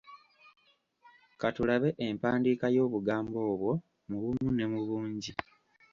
Ka tulabe empandiika y’obugambo obwo mu bumu ne mu bungi.